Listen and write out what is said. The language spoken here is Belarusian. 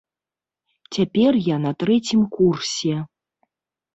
Цяпер я на трэцім курсе.